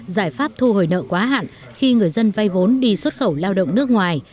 giải pháp thu hồi nợ quá hạn khi người dân vay vốn đi xuất khẩu lao động nước ngoài